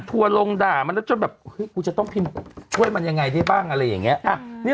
ห่วงด่ามันแบบจะต้องพิมพ์ทำยังไงได้บ้างอะไรอย่างเงี้ย